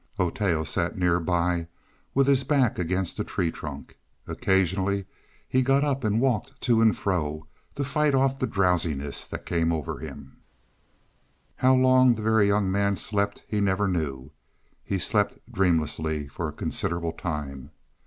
Oteo sat nearby with his back against a tree trunk. Occasionally he got up and walked to and fro to fight off the drowsiness that came over him. How long the Very Young Man slept he never knew. He slept dreamlessly for a considerable time.